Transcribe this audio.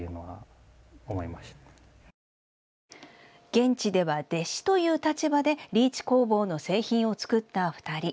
現地では弟子という立場でリーチ工房の製品を作った２人。